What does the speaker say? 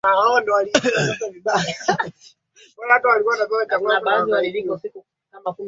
Wa nane mwaka elfu mbili na tatu akiwa mwenye